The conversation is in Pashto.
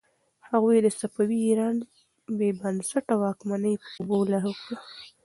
هغوی د صفوي ایران بې بنسټه واکمني په اوبو لاهو کړه.